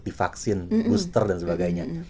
dibagi vaksin booster dan sebagainya